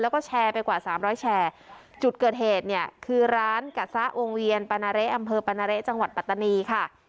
แล้วก็แชร์ไปกว่าสามร้อยแชร์จุดเกิดเหตุเนี่ยคือร้านกะซะวงเวียนปานาเละอำเภอปานาเละจังหวัดปัตตานีค่ะ